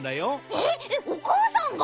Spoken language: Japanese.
えっおかあさんが？